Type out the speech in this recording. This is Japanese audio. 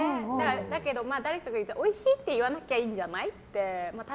だけど誰かが、おいしいって言わなきゃいいんじゃないって。